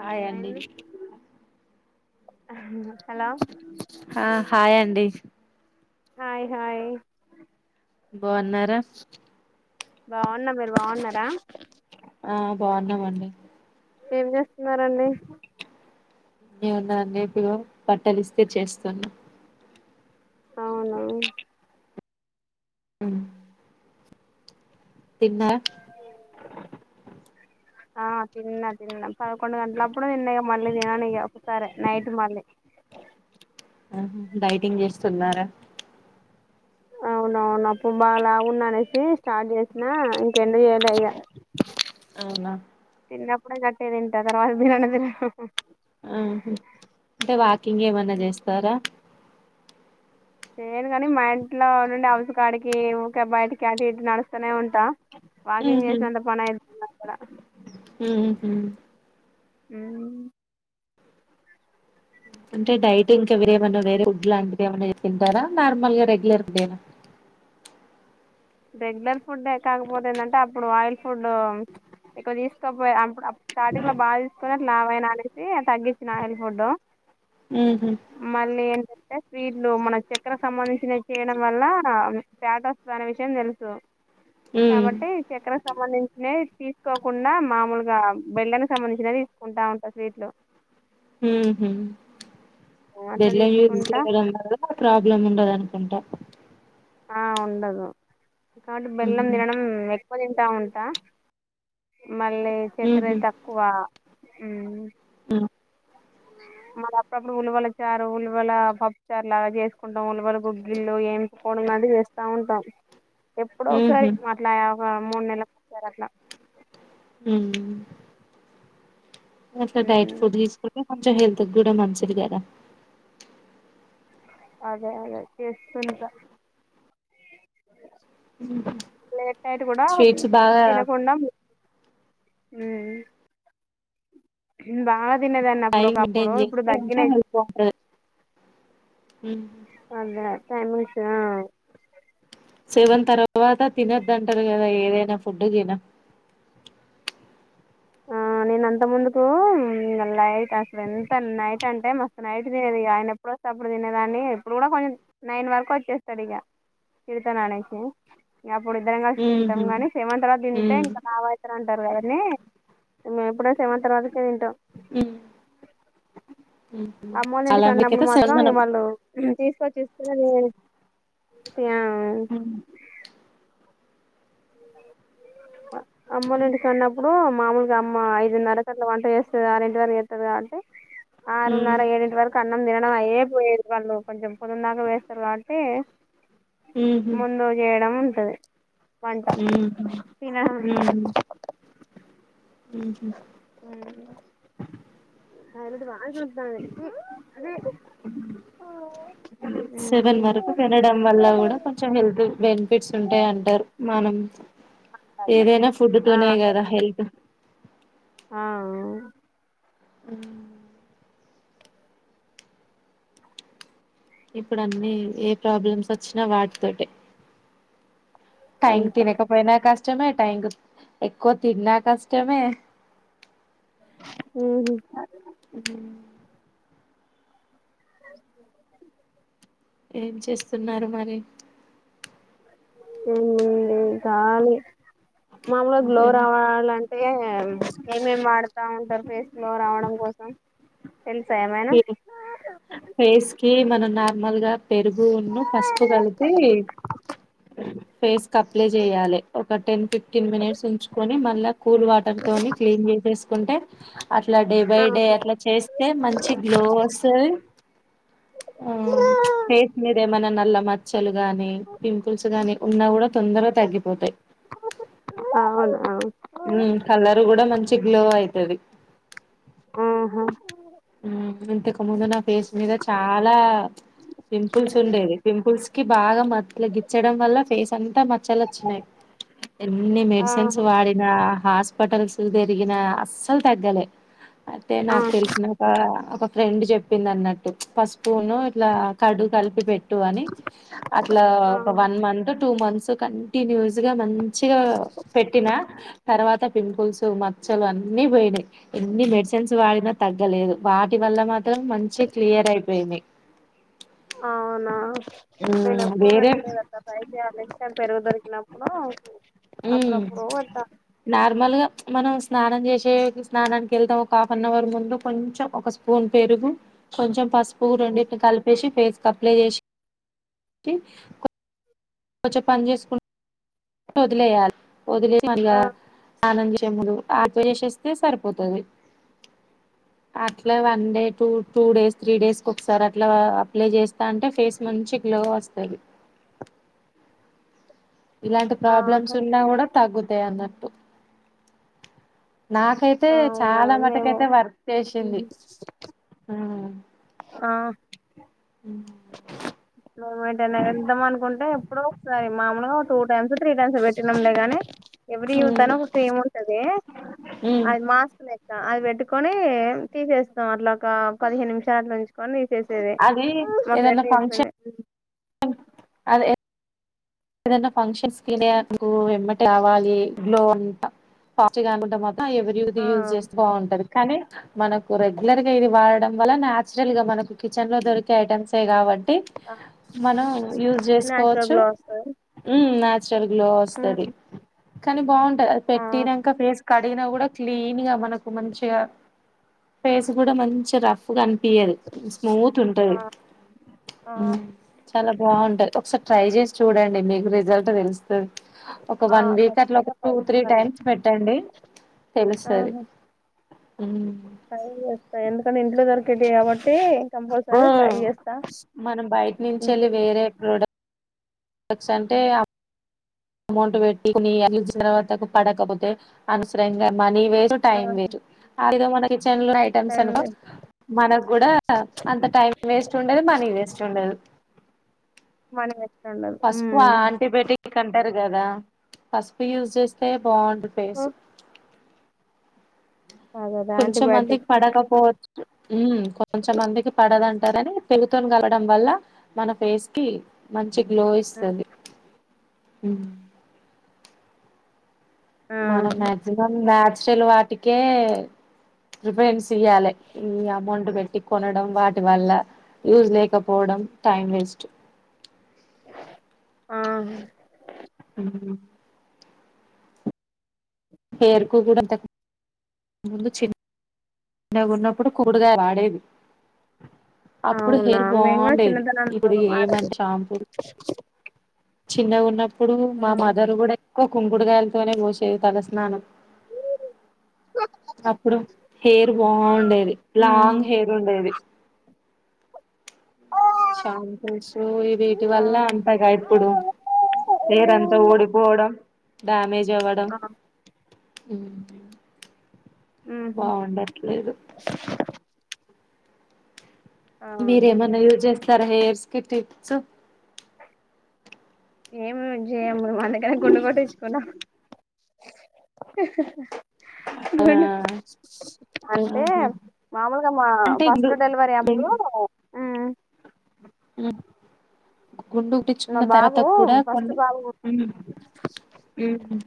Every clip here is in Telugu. హాయ్ అండి ఐన్ని హా హాయ్ అండి హాయ్ హాయ్ బాన్నారా బాన్న మీరు బాన్నార ఆ బాన్నామండి ఏం చేస్తున్నారండి ఏం ఉన్నదండి ఇగో బట్టలు ఇస్తిరి చేస్తున్న ఔనా ఉహ్మ్ తిన్నరా ఆ తిన్నా తిన్నా పదకొండు గంటల అప్పుడు తిన్నాక మళ్ళీ తినను ఇ ఒకసారి నైట్ మళ్ళీ ఆ డైటింగ్ చేస్తున్నారా అవునవును అప్పు బాగా లావున్నా అనేసి స్టార్ట్ చేసిన ఇంకెండ చేయాల ఇ అవునా తిన్నప్పుడే గట్టిగా తింట తర్వాత తినను తిన ఆహ్ అంటే వాకింగ్ ఏమన్నా జేస్తారా నేను కాని మా ఇంట్లో నుండి హౌస్ కాడికి ఊకే బయటికి అటు ఇటు నడుస్తూనే ఉంటా వాకింగ్ చేశా అంత పని అయితే ఉండదు అక్క హమ్ ఆమ్ అంటే డైటింగ్ ఇంకా ఎవరేమైనా వేరే ఫుడ్ లాంటిది ఏమన్నా తింటారా నార్మల్ గా regular food Dena [inaudible] regular food యే కాకపోతే ఏంటంటే అప్పుడు ఆయిల్ ఫుడ్ ఎక్కువ తీసుకోక పోయే స్టార్టింగ్ లో బాగా తీసుకోని లావు అయిన అనేసి తగ్గించిన ఆయిల్ ఫుడ్డు ఉహు మళ్ళీ ఏ అంటే స్వీట్లు మన చక్కెరకు సంబంధించినవి చేయడం వల్ల ఫ్యాట్ వస్తాది విషయం తెలుసు ఉమ్ కాబట్టి చెక్కరకు సంబంధించినది తీసుకోకుండా మామూలుగా బెల్లానికి సంబంధించినవి తీసుకుంటా ఉంటా స్వీట్లు హమ్ హమ్ అట్లా బెల్లం యూజ్ తీసుకుంటా చేయడం వల్ల ప్రాబ్లం ఉండదు అనుకుంటా ఆ ఉండదు కాబట్టి బెల్లం ఉహు తినడం ఎక్కువ తింటా ఉంటా మళ్ళీ చక్కర తక్కువ ఉమ్ [unintelligible] మళ్ళీ అప్పుడప్పుడు ఉలువల చారు ఉలువల పప్పు చారు లాగా చేసుకుంటాం ఉలువల గుగ్గిలు ఏం మళ్ళీ చేస్తా ఉంటాము ఎప్పుడోసారి ఉహు అట్లా ఒక మూడు నెలకి ఒకసారి అట్లా మ్ అట్లా డైట్ మ్మ్ ఫుడ్ తీసుకుంటే కొంచెం హెల్త్ కూడా మంచిది కదా అదే అదే చేస్తుంట లేట్ నైట్ కూడా స్వీట్స్ బాగా తినకుండా మ్ బా తినేదన్న అప్పుడు టైం ఒకప్పుడు మెయింటైన్ ఇప్పుడు చేస్తే కొంచెం తగ్గినాయి మ్ అదే టైమింగ్స్ ఆ సేవన్ తర్వాత తినొద్దంటారు కదా ఏదైనా ఫుడ్ తిన ఆ నేను అంత ముందుకు నైట్ అసలు ఎంత నైట్ అంటే మస్తు నైట్ తినేది ఆయనప్పుడు అప్పుడు తినేదాన్ని ఇప్పుడు కూడా కొంచెం నైన్ వరకు వచ్చేస్తాడు ఇక తిడుతున్న అనేసి ఇ అప్పుడు ఇద్దరం కలిసి హ్మ్ తింటాం హు కానీ సెవెన్ తర్వాత తింటే హ్మ్ ఇంకా లావు అయితాను అంటారు కదా అని మేము ఎప్పుడో సెవెన్ తర్వాతకే తింటాం హ్మ్ హ్మ్ అమ్మోల్ల చాలా ఇంటికి వెళ్లి న్నప్పుడు మందికైతే సెవెన్ మాత్రం మనం వాళ్ళు తీసుకొచ్చిస్తే నే ఉమ్ అమ్మోల్ల ఇంటికి వెళ్ళి నప్పుడు అమ్మ మామూలుగా అమ్మ ఐదు నర కట్ల వంట చేస్తాది ఆరెంటి వరకు చేస్తాది కాబట్టి అంటే ఆరున్నర ఏడింటి వరకు అన్నం తినడం అయ్యే పోయేది వాళ్ళు కొంచెం పుదు దాక వేస్తారు కాబట్టి హ్మ్ హ్మ్ ముందు చేయడం ఉంటది వంట హ్మ్ తిన ఉ హు [unintelligible] సెవెన్ వరకు తినడం వల్ల కూడా కొంచెం హెల్తీ ఫీట్స్ ఉంటాయి అంటారు మనం ఏదైనా ఫుడ్ తోనే కదా హెల్త్ ఆ హుమ్ ఇప్పుడు అన్నీ ఏ ప్రాబ్లమ్స్ వచ్చినా వాటితోటే, టైం అంతే తినకపోయినా కష్టమే టైంకి ఎక్కువ తిన్నా కష్టమే, ఉహు [unintelligible] [unintelligible] ఏం చేస్తున్నారు మరి, ఎంలే కావాలి, మాములు గ్లో అంతేనా రావాలంటే ఎం ఎం వాడుతా ఉంటారు ఫేస్ గ్లో రావడం, కోసం తెలుసా ఏమైనా ఫేస్ కి మనం నార్మల్ గా పెరుగును, పసుపు కలిపి ఫేస్ కి అప్లై చెయాలి, ఒక టెన్ ఫిఫ్టీన్ మినిట్స్ ఉంచుకొని మళ్ళా కూల్ వాటర్, కొన్ని క్లీన్ చేసేసుకుంటే, అట్లా డే బై డే అట్లా చేస్తే మంచి గ్లో వస్తాది. ఆ ఫేస్ మీద ఏదైనా నల్ల మచ్చ మచ్చలు గానీ పింపుల్స్ గాని ఉన్నా కూడా తొందరగా తగ్గిపోతాయి. అవునా ఉ కలరు కూడా మంచి గ్లో అవుతది. ఆహా ఇంతకు ముందు నా ఫేస్ మీద చాలా పింపుల్స్ ఉండేది పింపుల్స్, బాగా మ ఇట్లా గిచ్చడం వల్ల ఫేస్ అంతా మచ్చలు వచ్చినయి, ఎన్ని మెడిసిన్స్ ఆహా వాడినా హాస్పిటల్స్ తిరిగిన అస్సలు తగ్గలే అయితే ఆ నాకు తెలిసిన, ఒక ఒక ఫ్రెండ్ చెప్పింది, అన్నట్టు పసు సుపును ఇట్లా కర్డ్ కలిపి పెట్టు అని అట్లా ఒక one month two month, so continuous గా మంచిగా పెట్టినా తర్వాత, పింపుల్స్ మచ్చలు అన్ని పోయినాయి, ఎన్ని మెడిసిన్స్ వాడినా తగ్గలేదు. వాటి వల్ల మాత్రం మంచి క్లియర్ అయిపోయింది. అవునా నేను ఎప్పుడూ వేరే పెట్టలేదు అక్క నేను ట్రై చెయ్యాలి పెరుగుతోని ఉన్నపుడు హో ఉ నార్మల్గా మనం స్నానం చేసే, స్నానానికి వెళ్తాం ఒక హాఫ్ అన్ అవర్ ముందు కొంచెం ఒక స్పూన్ పెరుగు కొంచెం, పసుపు రెండింటిని కలిపేసి ఫేస్కి అప్లై చేసి, కొంచెం పని చేసుకుంట వదిలేయాలి వదిలేగా మళ్ళ ఆ సాన్నం చే ము అప్లై చేసేస్తే సరిపోతుది. [unintelligible] అట్లా one day two two days three డేస్కిసారి అట్లా అప్లై చేస్తా అంటే ఫేస్ మంచి, గ్లో వస్తాది. [unintelligible] ఇలాంటి ప్రాబ్లమ్స్ ఆహా ఉన్నా కూడా తగ్గుతాయి. అన్నట్టు నాకైతే అవునా చాలా మేము మటుకైతే వర్క్ చేసింది. ఉ ఆ ఉమ్ మేము వేటన వెద్దాం, అనుకుంటే ఎప్పుడో ఒకసారి మామలుగా టూ టైమ్స్ త్రీ టైమ్స్ పెట్టినాంలే గాని, ఎవరీ యూత్ ఉమ్ అన్ని క్రీమ్ ఉంటది ఉమ్ అది మాస్క్ లేక్కా అది పెట్టుకొన్ని, తీసేస్తాం అట్లా ఒక పదిహేను నిమిషాలట్ల ఉంచుకొని తీసే అది మా ఫ్రెండ్ ఏదైనా ఫంక్షన్ చెప్పలే అదే ఏదనా ఫంక్షన్స్ కి నాకు ‌ఎమటే కావాలి గ్లో అంత [unintelligible] ఎవ్రీయూత్ ఆ యూజ్ చేస్తే బాగుంటది కానీ మనకు రెగ్యులర్ గా ఇది వాడడం వల్ల నాచురల్ గా మనకు కిచెన్ లో దొరికే ఐటమ్సే కాబట్టి మనం యూజ్ నాచురల్ చేసుకోవచ్చు గ్లో వస్తది మ్ నాచ్రల్ గ్లో వస్తది కానీ బాగుంటది అది ఆ పెట్టినాక ఫేస్ కట్ కడిగినా కూడా క్లీన్ గా మనకు మంచిగా ఫేస్ కూడా మంచి రఫ్గా అ పీయల్ స్మూత్ ఆ ఉంటది ఆ చాలా బాగుంటది ఒకసారి ట్రై చేసి చూడండి మీకు రిజల్ట్ తెలుసు ఒక ఆ వన్ వీక్ అట్లా ఖచ్చితంగా ఒక ట్రై టూ త్రీ చేస్తాను టైమ్స్ పెట్టండి తెలుసది ఆహా ట్రై చేస్తా ఎందుకంటే ఇంట్లో దొరికేటివి కాబట్టి కంపల్సరీ ట్రై హ్మ్. చేస్తా మనం బయట ఎక్స్ అంటే అమౌంట్ పెట్టి కొన్ని వచ్చిన తర్వాతకు పడకపోతే అనవసరంగ నీ వేస్ట్ ఆ టైం వేస్ట్ అదే మన కిచెన్ లో ఐటమ్స్ టైం అనుకో వేస్ట్ మనకు కూడా అంత టైం వేస్ట్ ఉండదు మనీ వేస్ట్ ఉండదు మనీ వేస్ట్ ఉండదు పసుపు ఆ ఉమ్. యాంటీబైటిక్ అంటార్ కదా పసుపు యూజ్ చేస్తే బాగుంది సో ఫేసు అదదే యాంటీబయాటిక్ కొంచెంమందికి పడకపోవచ్చు మ్ కొంచమందికి పడదంటారని కెమికల్ కలవడం వల్ల మన ఫేస్ కి మంచి మంచి గ్లో ఇస్తది ఆ మనం మాక్సిమం నాచరల్ వాటికే ప్రిఫరెన్స్ ఇయాలే ఈ అమౌంట్ టి కొనడం వాటి వల్ల యూజ్ లేకపోవడం టైం వేస్ట్ ఆ మ్ హెర్ కు కూడా అంత ముందు చిన్న గున్నప్పుడు కుంకుడికాయ్ వాడేది అప్పుడు అవునా హెయిర్ మేము కూడా బాగుండేది చిన్నతనంలో ఇప్పుడు ఏమం వాడేది షాంపూలు ఆ చిన్నగున్నప్పుడు మా మదర్ కూడా ఎక్కువ కుంకుడుగాయలతోనే పోసేది తలస్నానం అప్పుడు హెయిర్ బాగుండేది ఉహు లాంగ్ హెయిర్ ఉండేది ఆహా షాంపూస్ ఈ వీటి వల్ల అంతగా ఆ ఇప్పుడు హెయిర్ అంత ఉడిపోవడం డ్యామేజ్ జవడం ఉహు బాగుండట్లేదు అవునా మీరేమన్నా యూజ్ చేస్తారా హెయిర్ స్కి టిప్స్ ఏమి చేయము మేం అందుకనే గుండు కోటించుకునం ఆ అంటే ఆహా మామూలుగా మా అంటే గు ఫస్ట్ డెలివరీ అప్పుడు మ్ గుండు మా కొట్టిచ్చుకున్న తర్వాత బాబు కూడా ఫస్ట్ కొన్ని బాబు మ్ మ్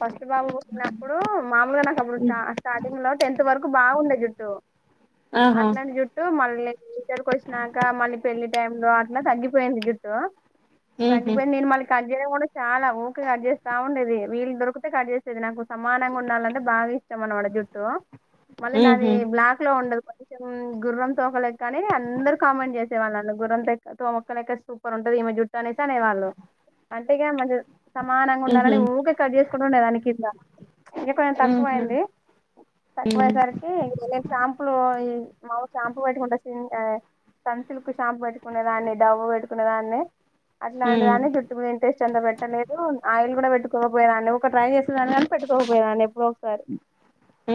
ఫస్ట్ బాబు పుట్టినప్పుడు మామూలుగా నాకు అప్పుడు స్టార్టింగ్ లో టెన్త్ వరకు బాగుండే జుట్టు ఆహా అట్లాంటి జుట్టు మళ్ళీ ఇంటర్ కి వచ్చినాక మళ్ళీ పెళ్లి టైం లో అట్లా తగ్గిపోయింది చో తగిపోయింది ఉహు మళ్ల నేన్ మళ్ళీ కంటిన్ కూడా చాలా ఊరికి కట్ చేస్తా ఉండేది వీళ్ళ దొరికితే కట్ చేేది నాకు సమానంగా ఉండాలంటే బాగా ఇస్త ఇష్ట అనమాట జుట్టు మళ్ళీ నాది ఉహు బ్లాక్ లో ఉండదు కొంచెం గుర్రం తోకలక్కని అందరు కామెంట్ చేసేవాల్ నన్ను గుర్రం లెక్క తోమక లెక్క సూ సూపర్ ఉంటది ఈమె జుట్టు అనేసి అనేవాళ్ళు అంటే ఇగా మంచిగా సమానంగా ఉహు ఉండాలని ఊకె కట్ చేస్త ఇప్పుడు ఉండే దాని కింద ఇంక కొంచెం ఉహు తక్కువయింది తక్కువ ఉమ్ అయేసరికి ఇంక షాంపులు ఈ మావ షాంపూ పెట్టుకుంటచింది సన్సిల్క్ షాంపూ పెట్టుకునే దాన్ని డవ్వు పెట్టుకునే దాన్ని ఉమ్ అట్లాంటిదాని చుట్టు మీద ఇంట్రెస్ట్ అంత పెట్టలేదు ఆయిల్ కూడ పెట్టుకోకపోయాదన్ని ఊకె ట్రైన్ చేసేదాన్ని గాని పెట్టుకోకపోయేదాన్ని ఎప్పుడో ఒకసారి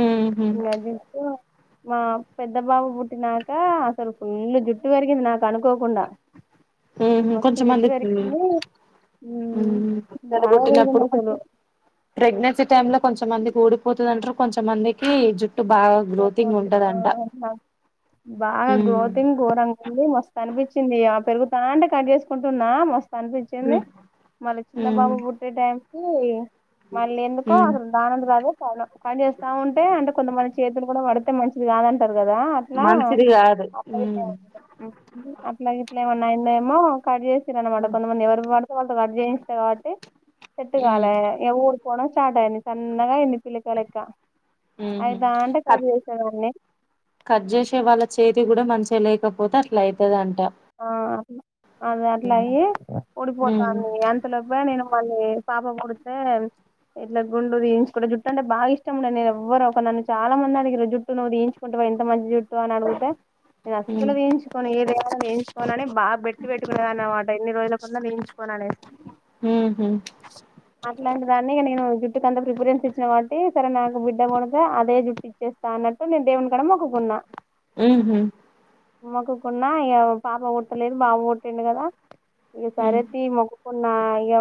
ఉహు ఇంగ దిస్కో మా పెద్ద బాబు పుట్టినాక అసలు ఫుల్లు జుట్టు పెరిగింది నాకు అనుకోకుండ హ్మ్ కొంచెం మంది ఊ మ్మ్ బాగా పెరిగింది యాడుపుట్టినప్పుడు అసలు కొంచె ప్రెగ్నెన్సీ టైమ్ లో కొంచమందికి ఊడిపోతదంటరు కొంచమందికి జు అ గ్రోతింగ్ ఉంటదంట బాగా ఉమ్ గ్రోతింగ్ గోరంగా ఉంది మస్తు అనిపించింది ఇగ పెరుగుతంటే కట్ చేసుకుంటున్నా మస్తు అనిపించింది ఉమ్ మళ్ళీ చిన ఉమ్ బాబు పుట్టే టైం మళ్ళీ ఎందుకో ఉమ్ అసలు దానంత అదే పౌను కట్ చేేస్తా ఉంటే అంటే కొంతమందికి చేతులు గుడా పడితే మంచిది కాదంటరు గదా అట్లా మంచిది కాదు [unintelligible] అ ఉమ్ అట్ల ఏమన్నా అయింద ఏమో కట్ చేస్తారు అనమాట ఉమ్ కొంతమంది ఎవరి పడితే వాళ్ళతో కట్ చేయిస్తా కాబట్టి సెట్టు కాలే ఉమ్ ఇగ ఊడి పోడం స్టార్ట్ ఐంది సన్నగా ఐంది పిలకలెక్క అయి క కట్ చేసే వాళ్ళ చేతి గుడా మంచిగ లేకపో పోతె అట్లయితదన్ ఆ అట్ల అది అట్లా అయి ఉమ్ ఊడిపోతంది అంతలోపె నేను మల్లి పాప పుడితే ఇట్ల గుండు తీయించుకుంట జుట్టు అంటే బాగా ఇష్టముండే నేను ఎవ్వరు ఒక చాలా మంది అడిగిరీ జుట్టు నువు తీయిుంచుకుంటావ ఎంత మంచి జుట్ ఇవ్ అని అడిగుతే నేన్ ఉమ్ అసలే తీయించుకోను ఏదేమైనా తీయించుకోను చుకోనని బా బెట్టు పెట్టుకునేదాన్ని అనమాట ఎన్ని రోజులులకున్న తీయించ్ పోననేసీ ఉహు అట్లాంటి దాన్ని నేను జుట్టుకి అంత ప్రిఫేరెన్స్ ఇచ్చిన కాట్టి సరే నాకు బిడ్డ పుడితే అదే జుట్టు ఇచ్చేస్తా అన్నట్టు నేను దేవుని కాడ మొక్కుకున్న ఊహు మొక్కుకున్నా ఇగ పాప పుట్టలేదు బాబు పుటిండు కదా ఉమ్ సరే తీయ్ మొక్కకున్నా ఇగ